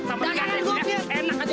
hati saya dua kiri dan kanan